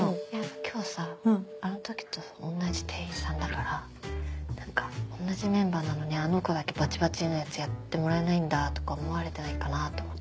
今日さあの時と同じ店員さんだから何か同じメンバーなのにあの子だけバチバチのやつやってもらえないんだとか思われてないかなと思って。